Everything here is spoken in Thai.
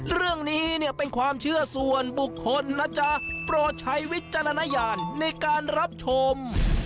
เรื่องนี้เนี่ยเป็นความเชื่อส่วนบุคคลนะจ๊ะโปรดใช้วิจารณญาณในการรับชม